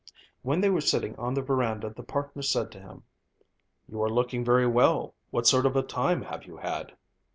When they were sitting on the verandah, the partner said to him: "You are looking very well, what sort of a time have you had?"